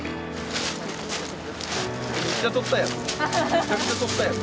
めっちゃ取ったやん。